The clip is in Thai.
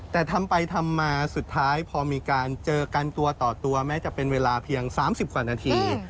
แต่ทำไปทำมาสุดท้ายพอมีการเจอกันตัวต่อตัวแม้จะเป็นเวลาเพียง๓๐กว่านาที